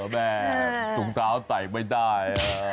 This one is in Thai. แม่ถุงเท้าใส่ไม่ได้